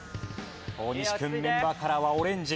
大西くんメンバーカラーはオレンジ。